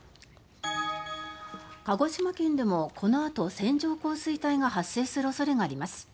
鹿児島県でもこのあと線状降水帯が発生する恐れがあります。